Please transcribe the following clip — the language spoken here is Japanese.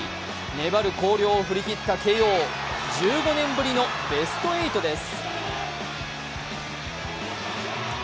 粘る広陵を振り切った慶応１５年ぶりのベスト８です。